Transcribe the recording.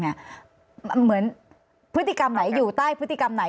เหมือนพฤติกรรมไหนอยู่ใต้พฤติกรรมไหน